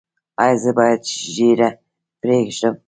ایا زه باید ږیره پریږدم؟